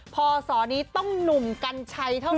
พศนี้ต้องหนุ่มกัญชัยเท่านั้น